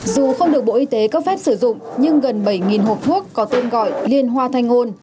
dù không được bộ y tế cấp phép sử dụng nhưng gần bảy hộp thuốc có tên gọi liên hoa thanh ngôn